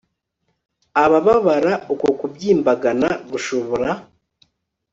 abababara, uko kubyimbagana gushobora